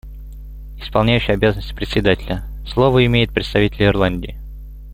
Исполняющий обязанности Председателя: Слово имеет представитель Ирландии.